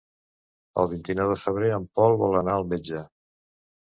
El vint-i-nou de febrer en Pol vol anar al metge.